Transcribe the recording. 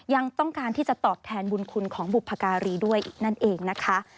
ยังต้องการที่จะตอบแทนบุญคุณของบุพการีด้วยอีกนั่นเองนะคะ